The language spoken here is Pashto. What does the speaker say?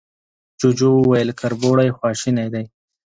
جوجو وويل، کربوړی خواشينی دی.